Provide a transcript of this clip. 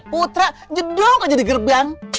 putra jedong aja di gerbang